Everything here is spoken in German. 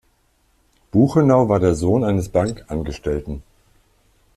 Buchenau war der Sohn eines Bankangestellten.